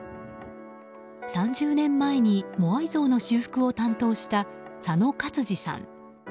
３０年前にモアイ像の修復を担当した、左野勝司さん。